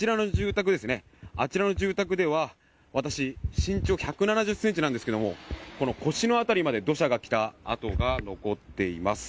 あちらの住宅では私、身長１７０ｃｍなんですがこの腰のあたりまで土砂が来た跡が残っています。